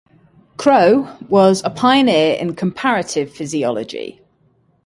Krogh was a pioneer in comparative physiology.